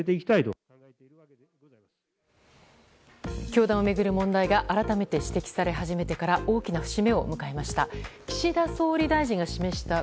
教団を巡る問題が改めて指摘し始めてから大きな節目を迎えました。